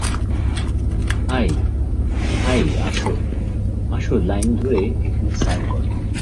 High - hi আসো, আসো, line ধরে এখানে সাইন করো।